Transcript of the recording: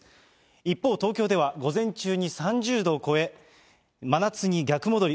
一方、東京では、午前中に３０度を超え、真夏に逆戻り。